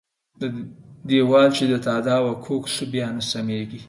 ديوال چې د تاداوه کوږ سو ، بيا نه سمېږي.